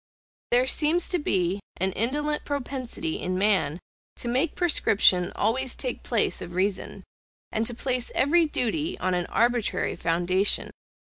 There seems to be an indolent propensity in man to make prescription always take place of reason, and to place every duty on an arbitrary foundation.